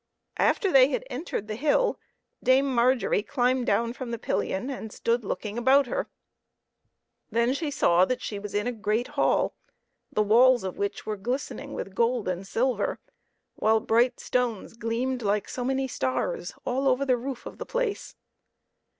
After they had entered the hill, Dame Margery climbed down from the pillion and stood looking about her. Then she saw that she was in a great hall, the walls of which were glistening with gold and silver, while bright stones gleamed like so many stars all over the roof of the place.